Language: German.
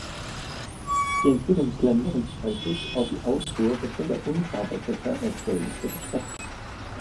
Die Entwicklungsländer sind häufig auf die Ausfuhr bestimmter unverarbeiteter Erzeugnisse beschränkt.